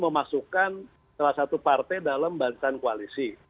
memasukkan salah satu partai dalam barisan koalisi